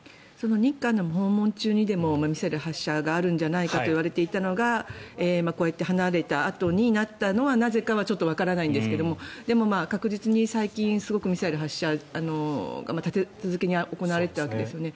日韓の訪問中にでもミサイル発射があるんじゃないかといわれていたのがこうやって離れたあとになったのはなぜかはちょっとわからないんですがでも、確実に最近、すごくミサイル発射が立て続けに行われていたわけですよね。